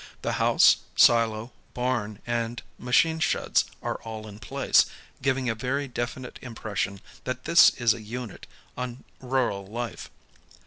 The house, silo, barn, and machine sheds are all in place, giving a very definite impression that this is a unit on rural life.